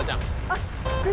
あっ。